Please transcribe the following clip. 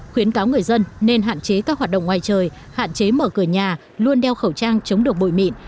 khuyến cáo người dân nên hạn chế các hoạt động ngoài trời hạn chế mở cửa nhà luôn đeo khẩu trang chống được bụi mịn